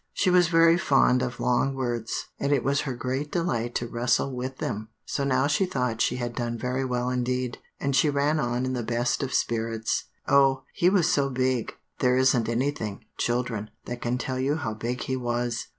She was very fond of long words, and it was her great delight to wrestle with them; so now she thought she had done very well indeed, and she ran on in the best of spirits "Oh, he was so big there isn't anything, children, that can tell you how big he was!